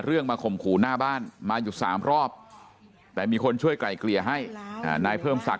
มาข่มขู่หน้าบ้านมาอยู่๓รอบแต่มีคนช่วยไกลเกลี่ยให้นายเพิ่มศักดิ